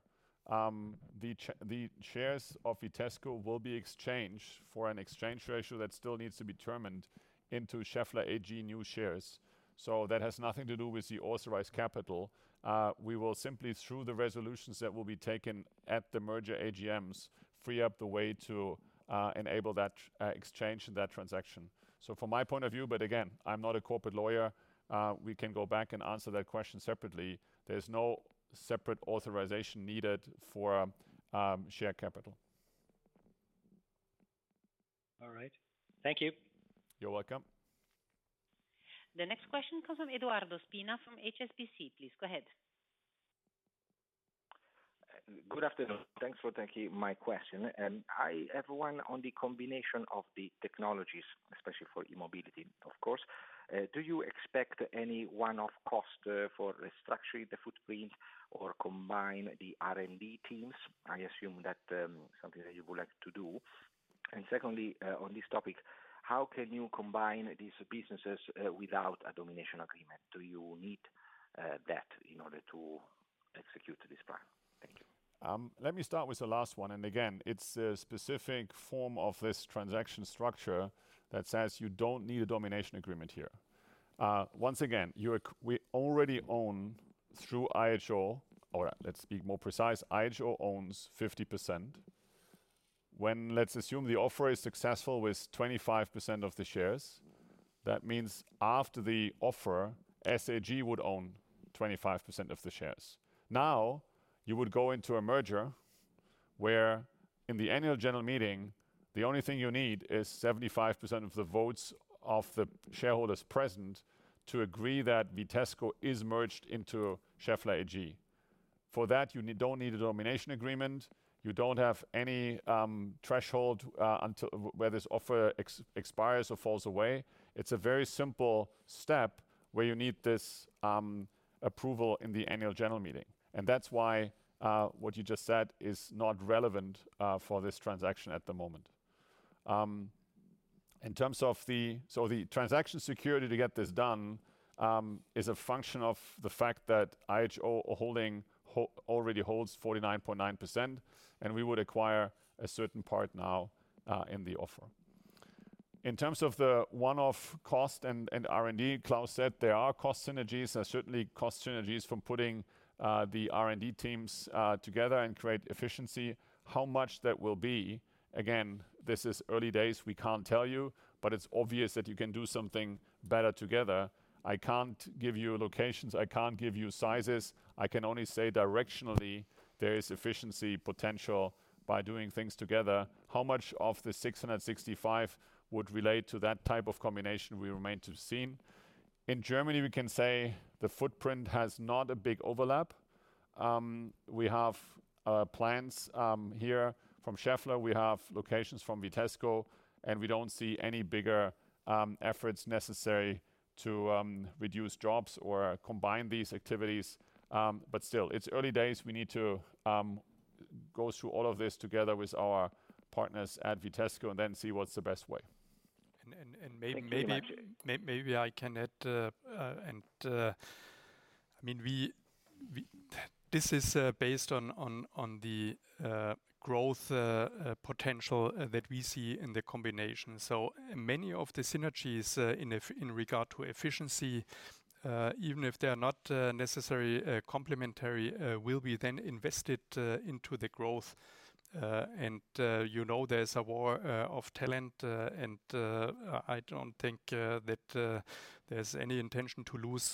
the shares of Vitesco will be exchanged for an exchange ratio that still needs to be determined into Schaeffler AG New shares. So that has nothing to do with the authorized capital. We will simply, through the resolutions that will be taken at the merger AGMs, free up the way to enable that exchange and that transaction. So from my point of view, but again, I'm not a corporate lawyer, we can go back and answer that question separately. There's no separate authorization needed for share capital. All right. Thank you. You're welcome. The next question comes from Edoardo Spina from HSBC. Please, go ahead. Good afternoon. Thanks for taking my question. I have one on the combination of the technologies, especially for E-Mobility, of course. Do you expect any one-off cost for restructuring the footprint or combine the R&D teams? I assume that is something that you would like to do. Secondly, on this topic, how can you combine these businesses without a domination agreement? Do you need that in order to execute this plan? Thank you. Let me start with the last one, it's a specific form of this transaction structure that says you don't need a domination agreement here. Once again, we already own, through IHO, or let's be more precise, IHO owns 50%. When let's assume the offer is successful with 25% of the shares, that means after the offer, Schaeffler AG would own 25% of the shares. Now, you would go into a merger, where in the annual general meeting, the only thing you need is 75% of the votes of the shareholders present, to agree that Vitesco is merged into Schaeffler AG. For that, you don't need a domination agreement, you don't have any threshold until where this offer expires or falls away. It's a very simple step, where you need this approval in the annual general meeting. That's why what you just said is not relevant for this transaction at the moment. In terms of the transaction security to get this done, is a function of the fact that IHO Holding already holds 49.9%, and we would acquire a certain part now in the offer. In terms of the one-off cost and R&D, Klaus said there are cost synergies and certainly cost synergies from putting the R&D teams together and create efficiency. How much that will be, again, this is early days, we can't tell you, but it's obvious that you can do something better together. I can't give you locations, I can't give you sizes. I can only say directionally, there is efficiency potential by doing things together. How much of the 665 million would relate to that type of combination will remain to be seen. In Germany, we can say the footprint has not a big overlap. We have plants here from Schaeffler, we have locations from Vitesco, and we do not see any bigger efforts necessary to reduce jobs or combine these activities. Still, it's early days. We need to go through all of this together with our partners at Vitesco and then see what's the best way. And maybe- Thank you very much. Maybe I can add, and I mean, we-- This is based on the growth potential that we see in the combination. Many of the synergies in regard to efficiency, even if they are not necessarily complementary, will be then invested into the growth. You know, there's a war of talent, and I don't think that there's any intention to lose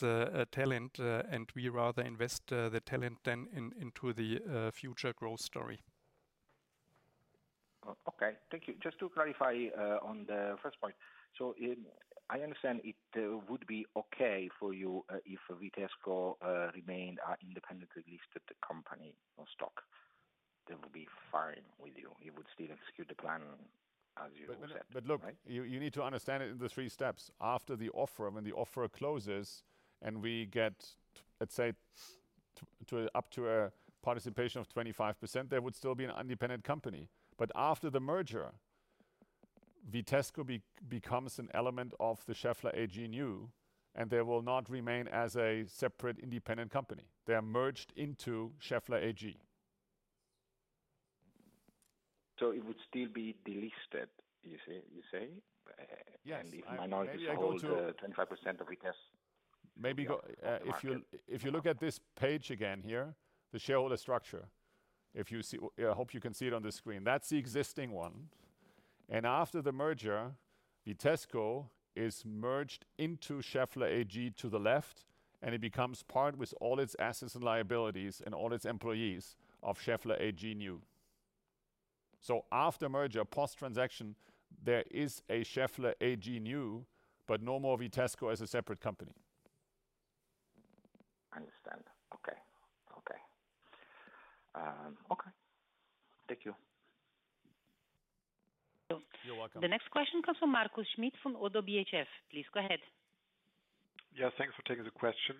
talent, and we rather invest the talent then into the future growth story. Oh, okay. Thank you. Just to clarify, on the first point: so I understand it would be okay for you if Vitesco remained a independently listed company or stock, that would be fine with you. You would still execute the plan as you said, right? But look, you need to understand it in the three steps. After the offer, when the offer closes and we get, let's say, to up to a participation of 25%, they would still be an independent company. But after the merger, Vitesco becomes an element of the Schaeffler AG new, and they will not remain as a separate independent company. They are merged into Schaeffler AG. It would still be delisted, you say, you say? Yes. And if minority hold- Maybe I go to-... 25% of Vitesco- Maybe go, if you- On the market. If you look at this page again, here, the shareholder structure. If you see... I hope you can see it on the screen. That's the existing one, and after the merger, Vitesco is merged into Schaeffler AG to the left, and it becomes part, with all its assets and liabilities and all its employees, of Schaeffler AG new. After merger, post-transaction, there is a Schaeffler AG new, but no more Vitesco as a separate company. I understand. Okay. Okay. Okay. Thank you. You're welcome. The next question comes from Markus Schmitt, from ODDO BHF. Please go ahead. Yeah, thanks for taking the question.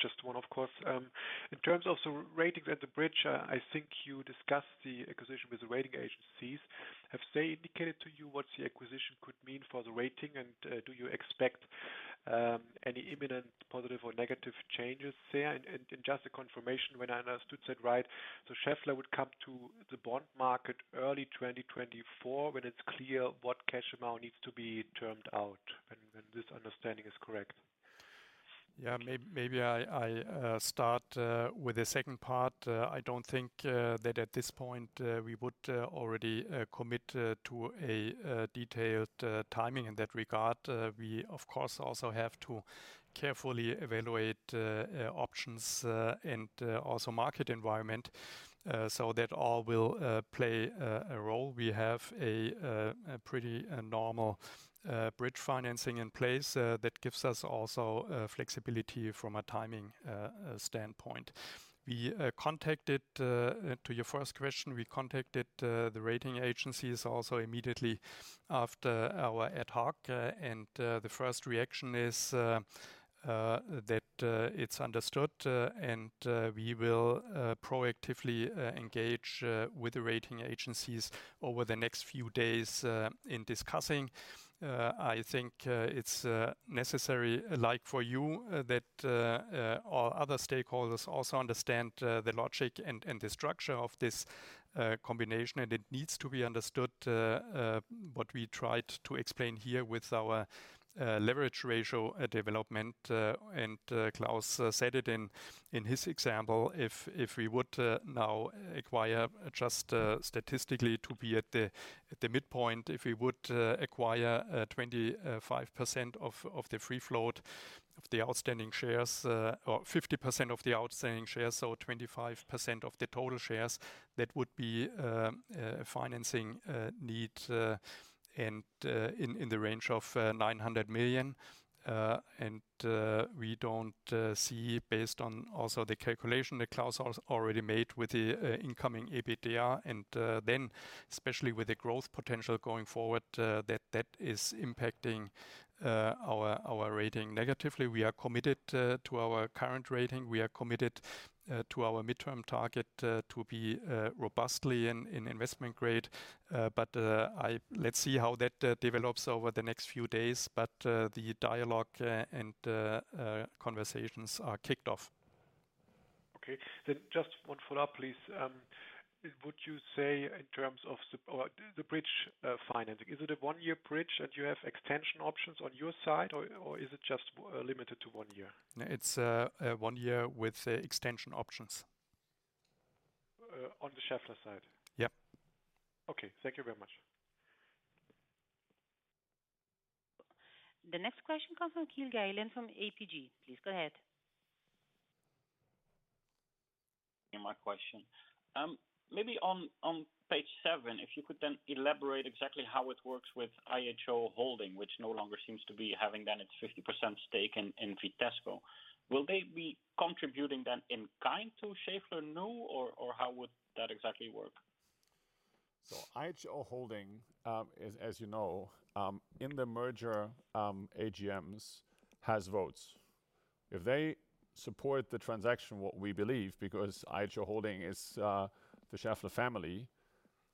Just one, of course. In terms of the ratings at the bridge, I think you discussed the acquisition with the rating agencies. Have they indicated to you what the acquisition could mean for the rating, and do you expect any imminent positive or negative changes there? And just a confirmation, if I understood that right, so Schaeffler would come to the bond market early 2024, when it's clear what cash amount needs to be termed out, and this understanding is correct. Yeah, maybe I start with the second part. I don't think that at this point we would already commit to a detailed timing in that regard. We, of course, also have to carefully evaluate options and also market environment, so that all will play a role. We have a pretty normal bridge financing in place that gives us also flexibility from a timing standpoint. To your first question, we contacted the rating agencies also immediately after our ad hoc, and the first reaction is that it's understood, and we will proactively engage with the rating agencies over the next few days in discussing. I think it's necessary, like for you, that all other stakeholders also understand the logic and the structure of this combination, and it needs to be understood what we tried to explain here with our leverage ratio development, and Klaus said it in his example, if we would now acquire just statistically to be at the midpoint, if we would acquire 25% of the free float of the outstanding shares, or 50% of the outstanding shares, so 25% of the total shares, that would be financing needs in the range of 900 million. And we don't see, based on also the calculation that Klaus already made with the incoming EBITDA, and then especially with the growth potential going forward, that is impacting our rating negatively. We are committed to our current rating. We are committed to our midterm target to be robustly in investment grade. But let's see how that develops over the next few days. But the dialogue and conversations are kicked off. Okay. Then just one follow-up, please. Would you say in terms of the bridge financing, is it a one-year bridge, and you have extension options on your side or is it just limited to one year? No, it's a 1-year with extension options. On the Schaeffler side? Yep. Okay, thank you very much. The next question comes from Kjell Geilen from APG. Please, go ahead. My question. Maybe on page seven, if you could elaborate exactly how it works with IHO Holding, which no longer seems to be having its 50% stake in Vitesco. Will they be contributing in kind to Schaeffler New or how would that exactly work? IHO Holding, as you know, in the merger, AGMs has votes. If they support the transaction, what we believe, because IHO Holding is the Schaeffler family,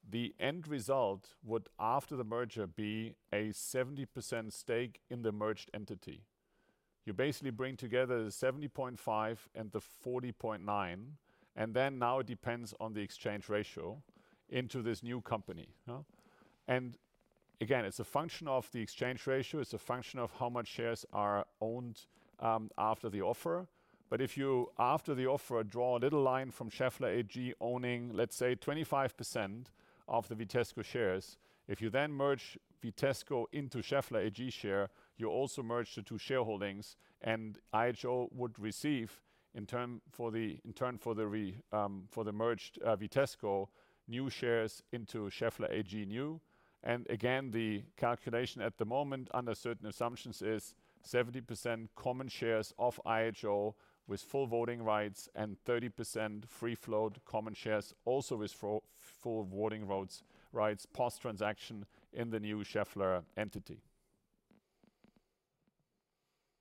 the end result would, after the merger, be a 70% stake in the merged entity. You basically bring together the 70.5 and the 40.9, and now it depends on the exchange ratio into this new company, huh? Again, it's a function of the exchange ratio. It's a function of how much shares are owned after the offer. If you, after the offer, draw a little line from Schaeffler AG owning, let's say, 25% of the Vitesco shares, if you then merge Vitesco into Schaeffler AG share, you also merge the two shareholdings, and IHO would receive, in turn, for the, in turn, for the re... for the merged Vitesco, new shares into Schaeffler AG new. And again, the calculation at the moment, under certain assumptions, is 70% common shares of IHO with full voting rights and 30% free float common shares, also with full voting rights, post-transaction in the new Schaeffler entity.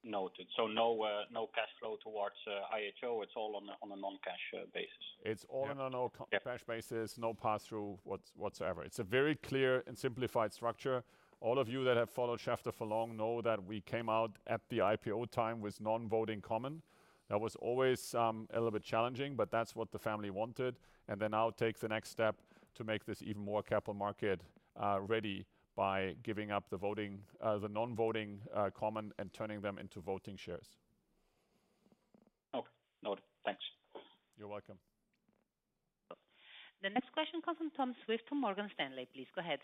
Noted. So no, no cash flow towards IHO. It's all on a, on a non-cash basis. It's all on a no- Yep. Cash basis, no pass-through, whatsoever. It's a very clear and simplified structure. All of you that have followed Schaeffler for long know that we came out at the IPO time with non-voting common. That was always a little bit challenging, but that's what the family wanted. And then now take the next step to make this even more capital market ready by giving up the non-voting common and turning them into voting shares. Okay. Noted. Thanks. You're welcome. The next question comes from Tom Swift from Morgan Stanley. Please, go ahead.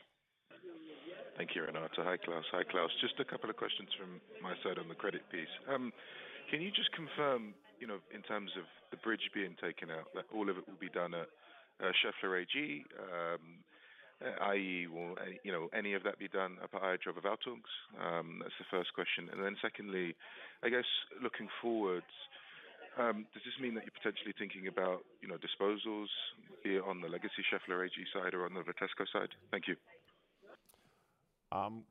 Thank you, Renata. Hi, Klaus. Hi, Klaus. Just a couple of questions from my side on the credit piece. Can you just confirm, you know, in terms of the bridge being taken out, that all of it will be done at, Schaeffler AG, i.e., will, you know, any of that be done up at IHO GmbH? That's the first question. And then secondly, I guess looking forward, does this mean that you're potentially thinking about, you know, disposals either on the legacy Schaeffler AG side or on the Vitesco side? Thank you.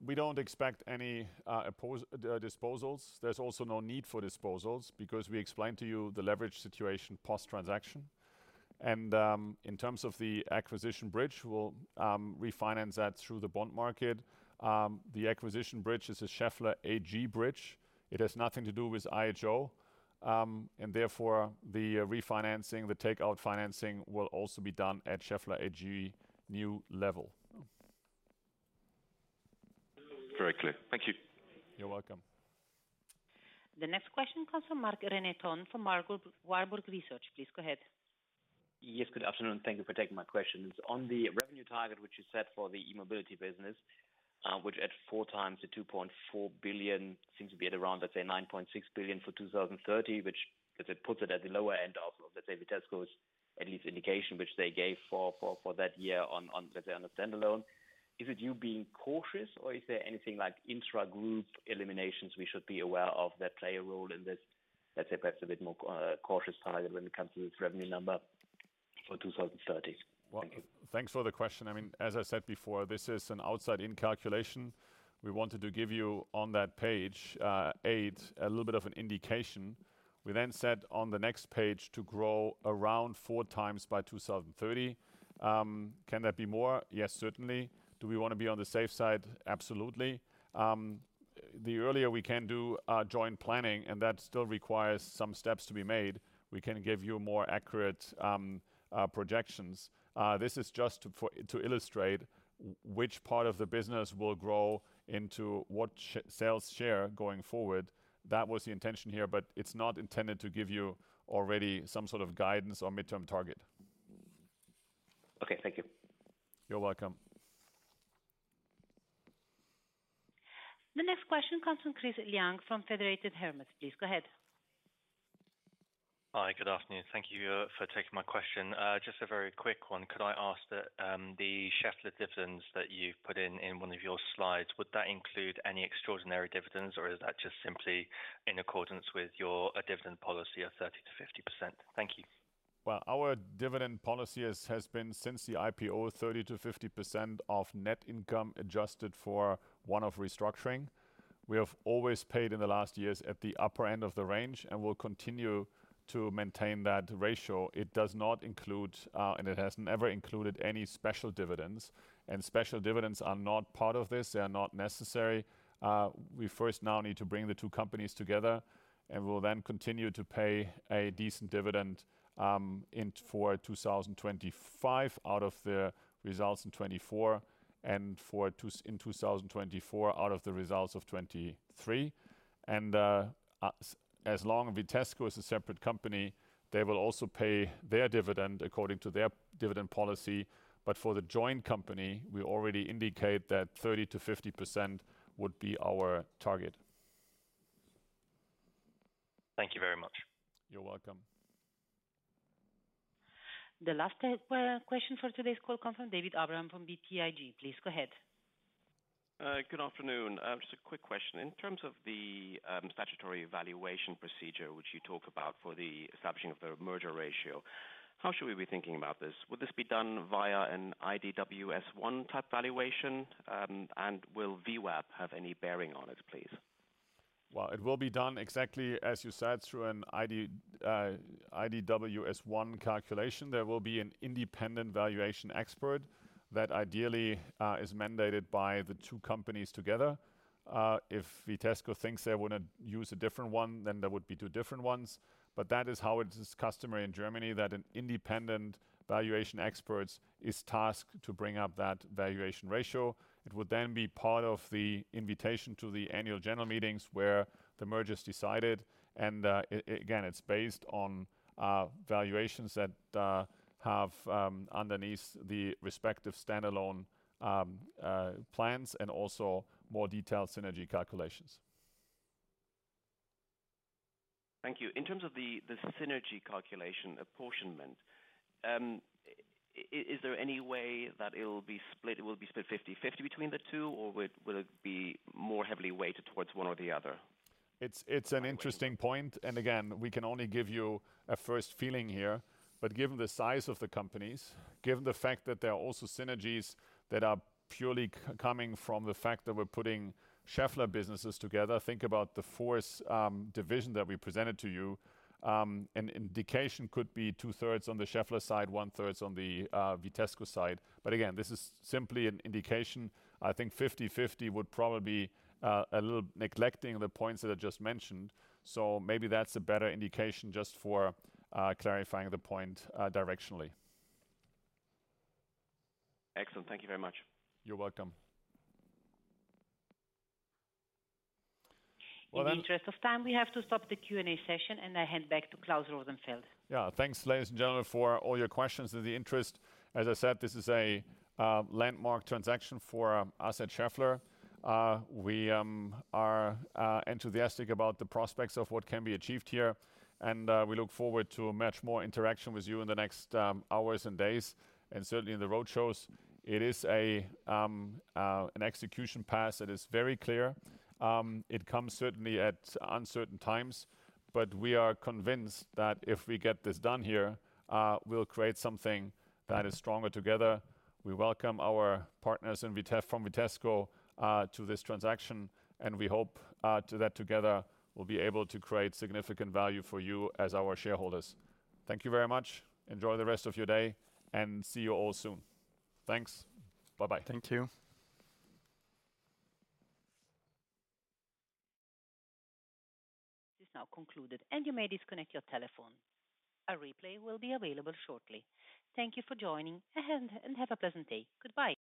We don't expect any opposed disposals. There's also no need for disposals because we explained to you the leverage situation post-transaction. And in terms of the acquisition bridge, we'll refinance that through the bond market. The acquisition bridge is a Schaeffler AG bridge. It has nothing to do with IHO. And therefore, the refinancing, the takeout financing, will also be done at Schaeffler AG new level. Very clear. Thank you. You're welcome. The next question comes from Marc-René Tonn, from Warburg Research. Please, go ahead. Yes, good afternoon. Thank you for taking my questions. On the revenue target, which you set for the e-mobility business, which at 4 times the 2.4 billion, seems to be at around, let's say, 9.6 billion for 2030, which because it puts it at the lower end of, of, let's say, Vitesco's at least indication, which they gave for that year on, on, let's say, on a standalone. Is it you being cautious, or is there anything like intra-group eliminations we should be aware of that play a role in this, let's say, perhaps a bit more cautious target when it comes to this revenue number for 2030? Thank you. Well, thanks for the question. I mean, as I said before, this is an outside-in calculation. We wanted to give you on that page eight a little bit of an indication. We then said on the next page to grow around 4 times by 2030. Can that be more? Yes, certainly. Do we want to be on the safe side? Absolutely. The earlier we can do joint planning, and that still requires some steps to be made, we can give you more accurate projections. This is just to illustrate which part of the business will grow into what sales share going forward. That was the intention here, but it's not intended to give you already some sort of guidance or midterm target. Okay. Thank you. You're welcome. The next question comes from Chris Leung from Federated Hermes. Please, go ahead. Hi, good afternoon. Thank you for taking my question. Just a very quick one. Could I ask, the Schaeffler dividends that you've put in, in one of your slides, would that include any extraordinary dividends, or is that just simply in accordance with your dividend policy of 30%-50%? Thank you. Well, our dividend policy is, has been since the IPO, 30%-50% of net income, adjusted for one-off restructuring. We have always paid in the last years at the upper end of the range and will continue to maintain that ratio. It does not include, and it has never included any special dividends. And special dividends are not part of this, they are not necessary. We first now need to bring the two companies together, and we will then continue to pay a decent dividend, in for 2025 out of the results in 2024, and for 2024, out of the results of 2023. And, as long as Vitesco is a separate company, they will also pay their dividend according to their dividend policy. For the joint company, we already indicate that 30%-50% would be our target. Thank you very much. You're welcome. The last question for today's call comes from David Abraham from BTIG. Please go ahead. Good afternoon. Just a quick question. In terms of the statutory valuation procedure, which you talk about for the establishing of the merger ratio, how should we be thinking about this? Would this be done via an IDW S1 type valuation? And will VWAP have any bearing on it, please? Well, it will be done exactly as you said, through an IDW S1 calculation. There will be an independent valuation expert that ideally is mandated by the two companies together. If Vitesco thinks they want to use a different one, then there would be two different ones. But that is how it is customary in Germany, that an independent valuation expert is tasked to bring up that valuation ratio. It would then be part of the invitation to the annual general meetings where the merger is decided. And again, it's based on valuations that have underneath the respective standalone plans and also more detailed synergy calculations. Thank you. In terms of the synergy calculation apportionment, is there any way that it will be split, it will be split 50/50 between the two, or will it be more heavily weighted towards one or the other? It's an interesting point, and again, we can only give you a first feeling here. But given the size of the companies, given the fact that there are also synergies that are purely coming from the fact that we're putting Schaeffler businesses together, think about the fourth division that we presented to you. An indication could be 2/3 on the Schaeffler side, 1/3 on the Vitesco side. But again, this is simply an indication. I think 50/50 would probably be a little neglecting the points that I just mentioned. So maybe that's a better indication just for clarifying the point, directionally. Excellent. Thank you very much. You're welcome. In the interest of time, we have to stop the Q&A session, and I hand back to Klaus Rosenfeld. Yeah. Thanks, ladies and gentlemen, for all your questions and the interest. As I said, this is a landmark transaction for us at Schaeffler. We are enthusiastic about the prospects of what can be achieved here, and we look forward to much more interaction with you in the next hours and days, and certainly in the road shows. It is an execution path that is very clear. It comes certainly at uncertain times, but we are convinced that if we get this done here, we'll create something that is stronger together. We welcome our partners in Vitesco to this transaction, and we hope that together, we'll be able to create significant value for you as our shareholders. Thank you very much. Enjoy the rest of your day, and see you all soon. Thanks. Bye-bye. Thank you. ... This is now concluded, and you may disconnect your telephone. A replay will be available shortly. Thank you for joining, and have a pleasant day. Goodbye.